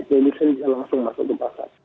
produsen bisa langsung masuk ke pasar